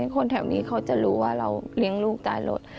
คนแถวนี้เขาจะรู้ว่าเราเลี้ยงลูกตายรถ